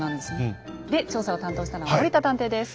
で調査を担当したのが森田探偵です。